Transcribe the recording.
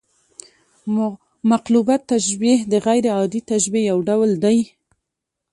مقلوبه تشبیه د غـير عادي تشبیه یو ډول دئ.